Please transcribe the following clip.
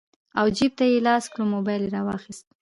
او جېب ته يې لاس کړو موبايل يې رواخيست